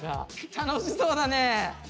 楽しそうだね。